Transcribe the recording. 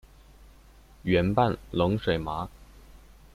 圆瓣冷水麻